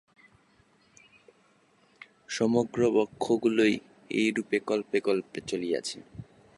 সমগ্র ব্রহ্মাণ্ডই এইরূপে কল্পে কল্পে চলিয়াছে।